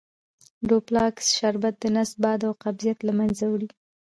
ډوفالک شربت دنس باد او قبضیت له منځه وړي .